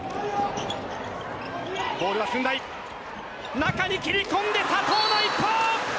中に切り込んで佐藤の１本！